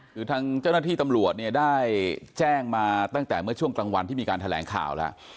คือทางเจ้าหน้าที่ตำรวจเนี่ยได้แจ้งมาตั้งแต่เมื่อช่วงกลางวันที่มีการแถลงข่าวแล้ว